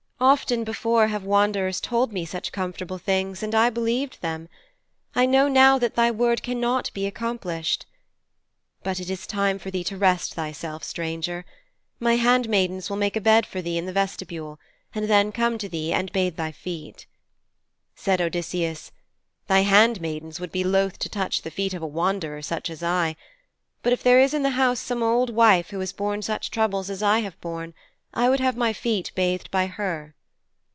'Often before have wanderers told me such comfortable things, and I believed them. I know now that thy word cannot be accomplished. But it is time for thee to rest thyself, stranger. My handmaidens will make a bed for thee in the vestibule, and then come to thee and bathe thy feet.' Said Odysseus, 'Thy handmaidens would be loath to touch the feet of a wanderer such as I. But if there is in the house some old wife who has borne such troubles as I have borne, I would have my feet bathed by her.'